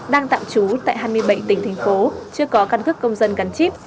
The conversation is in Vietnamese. đang tạm trú tại hai mươi bảy tỉnh thành phố chưa có căn cước công dân gắn chip